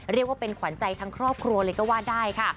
เรียกว่าเป็นขวัญใจทั้งครอบครัวเลยก็ว่าได้ค่ะ